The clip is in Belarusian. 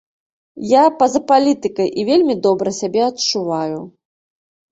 Я па-за палітыкай і вельмі добра сябе адчуваю.